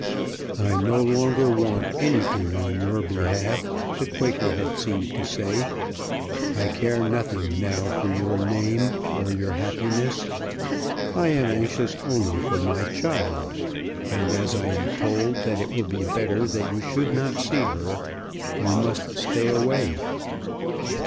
"I no longer want anything on your behalf," the Quaker had seemed to say. "I care nothing now for your name, or your happiness. I am anxious only for my child, and as I am told that it will be better that you should not see her, you must stay away."